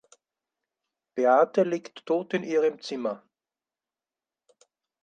Beate liegt tot in ihrem Zimmer.